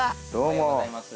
おはようございます。